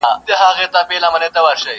هسي نوم د مرګي بد دی خبر نه دي عالمونه؛